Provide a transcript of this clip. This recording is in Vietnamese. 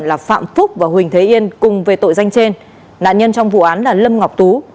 là phạm phúc và huỳnh thế yên cùng về tội danh trên nạn nhân trong vụ án là lâm ngọc tú